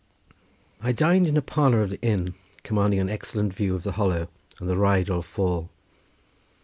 I dined in a parlour of the inn commanding an excellent view of the hollow and the Rheidol fall.